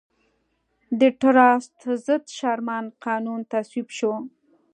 د ټراست ضد شرمن قانون تصویب شو.